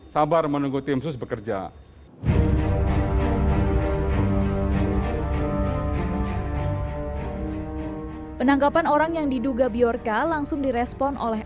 sular menunggu tim sus bekerja penangkapan orang yang diduga biorca langsung di respon oleh